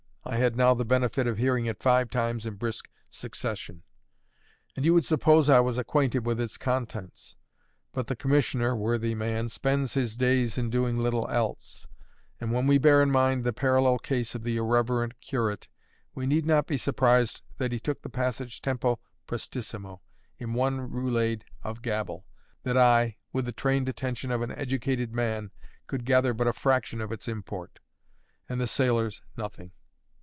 I had now the benefit of hearing it five times in brisk succession; and you would suppose I was acquainted with its contents. But the commissioner (worthy man) spends his days in doing little else; and when we bear in mind the parallel case of the irreverent curate, we need not be surprised that he took the passage tempo prestissimo, in one roulade of gabble that I, with the trained attention of an educated man, could gather but a fraction of its import and the sailors nothing.